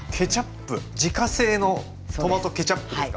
自家製のトマトケチャップですか？